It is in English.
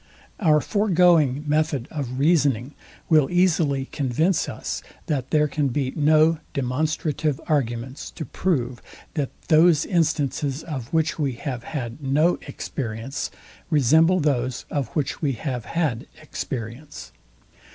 Our foregoing method of reasoning will easily convince us, that there can be no demonstrative arguments to prove, that those instances, of which we have, had no experience, resemble those, of which we have had experience.